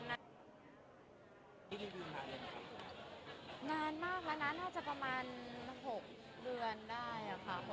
นานมากแล้วนะน่าจะประมาณ๖เดือนได้ค่ะ